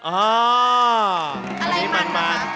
อ๋ออะไรมัน